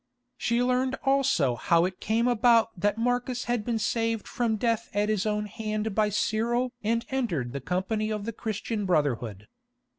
She learned also how it came about that Marcus had been saved from death at his own hand by Cyril and entered the company of the Christian brotherhood.